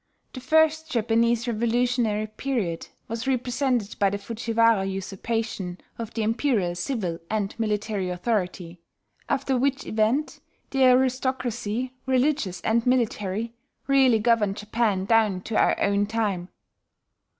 The first Japanese revolutionary period was represented by the Fujiwara usurpation of the imperial civil and military authority, after which event the aristocracy, religious and military, really governed Japan down to our own time.